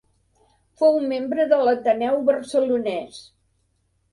Fou membre de l'Ateneu Barcelonès.